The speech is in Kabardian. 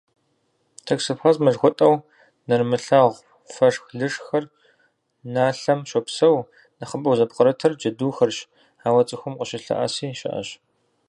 Токсоплазмэ жыхуэтӏэу нэрымылъагъу фэшх-лышхыр налъэм щопсэу, нэхъыбэу зыпкърытыр джэдухэрщ, ауэ цӏыхум къыщылъэӏэси щыӏэщ.